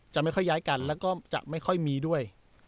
ไม่ค่อยย้ายกันแล้วก็จะไม่ค่อยมีด้วย